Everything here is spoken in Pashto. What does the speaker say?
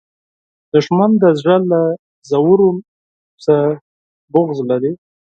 دښمن د زړه له ژورو نه بغض لري